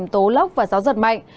tố lốc và gió giật mạnh